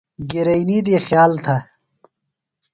گِرئینی دی خیال تھہ۔